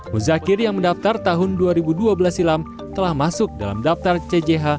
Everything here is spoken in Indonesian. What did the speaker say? muzakir yang mendaftar tahun dua ribu dua belas silam telah masuk dalam daftar cjh